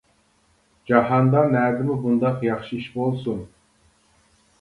جاھاندا نەدىمۇ بۇنداق ياخشى ئىش بولسۇن!